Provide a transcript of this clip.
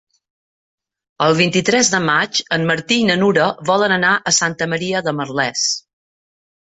El vint-i-tres de maig en Martí i na Nura volen anar a Santa Maria de Merlès.